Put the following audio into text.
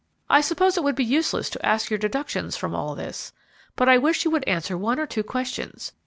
I suppose it would be useless to ask your deductions from all this, but I wish you would answer one or two questions.